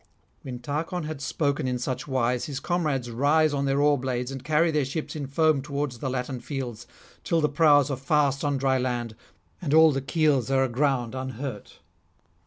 When Tarchon had spoken in such wise, his comrades rise on their oar blades and carry their ships in foam towards the Latin fields, till the prows are fast on dry land and all the keels are aground unhurt.